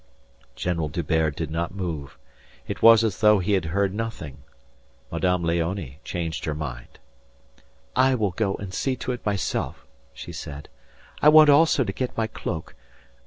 General D'Hubert did not move. It was as though he had heard nothing. Madame Léonie changed her mind. "I will go and see to it myself," she said. "I want also to get my cloak...